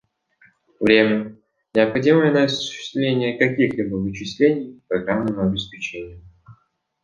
Время, необходимое на осуществление каких-либо вычислений программным обеспечением